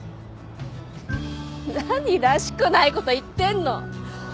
何らしくないこと言ってんの。